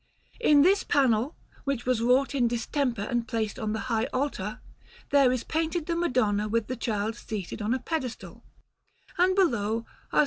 In this panel, which was wrought in distemper and placed on the high altar, there is painted the Madonna with the Child seated on a pedestal; and below are S.